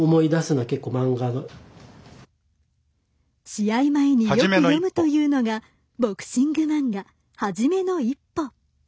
試合前によく読むというのがボクシングマンガはじめの一歩。